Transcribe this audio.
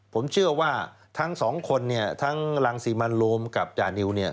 ผมเชื่อว่าทั้งสองคนเนี่ยทั้งรังสิมันโรมกับจานิวเนี่ย